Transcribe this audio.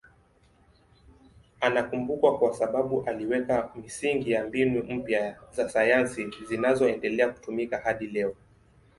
Anakumbukwa kwa sababu aliweka misingi ya mbinu mpya za sayansi zinazoendelea kutumika hadi leo.